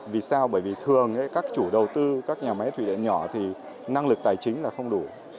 vì sao bởi vì thường các chủ đầu tư các nhà máy thủy điện nhỏ thì năng lực tài chính là không đủ